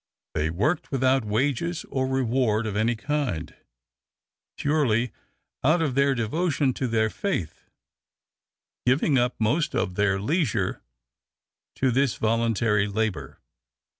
They worked without wages or reward of any kind, purely out of their devotion to their Faith, giving up most of their leisure to this voluntary labor.